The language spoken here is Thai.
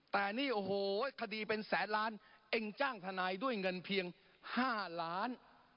แต่นี่โอ้โหคดีเป็นแสนล้านเองจ้างทนายด้วยเงินเพียง๕ล้าน